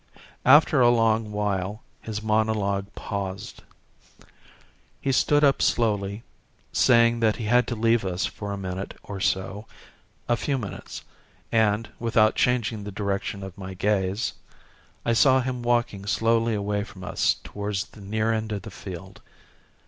After a long while his monologue paused. He stood up slowly, saying that he had to leave us for a minute or so, a few minutes, and, without changing the direction of my gaze, I saw him walking slowly away from us towards the near end of the field.